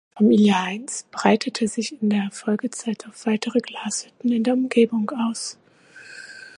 Familie Heinz breitete sich in der Folgezeit auf weitere Glashütten in der Umgebung aus.